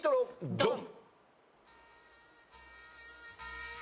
ドン！